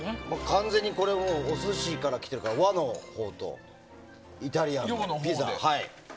完全に、これお寿司から来てるから和のほうとイタリアンのピザ。